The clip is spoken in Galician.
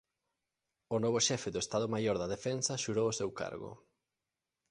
O novo xefe do Estado Maior da Defensa xurou o seu cargo.